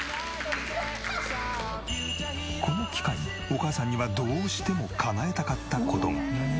この機会にお母さんにはどうしても叶えたかった事が。